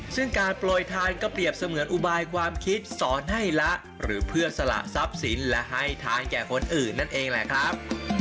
ซึ่งการโปรยทานก็เปรียบเสมือนอุบายความคิดสอนให้ละหรือเพื่อสละทรัพย์สินและให้ทานแก่คนอื่นนั่นเองแหละครับ